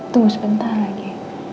tunggu sebentar lagi